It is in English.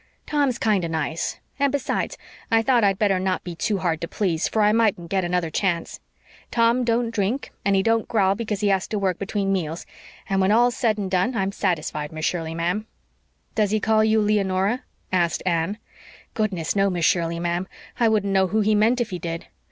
Tom's kind of nice. And besides, I thought I'd better not be too hard to please, for I mightn't get another chance. Tom don't drink and he don't growl because he has to work between meals, and when all's said and done I'm satisfied, Miss Shirley, ma'am." "Does he call you Leonora?" asked Anne. "Goodness, no, Miss Shirley, ma'am. I wouldn't know who he meant if he did.